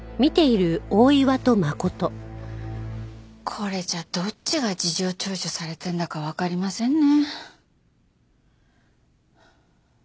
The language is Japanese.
これじゃどっちが事情聴取されてんだかわかりませんね。